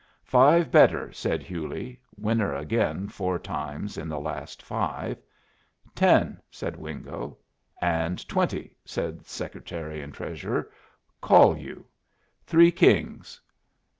"Five better," said Hewley, winner again four times in the last five. "Ten," said Wingo. "And twenty," said the Secretary and Treasurer. "Call you." "Three kings."